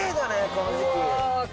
この時期。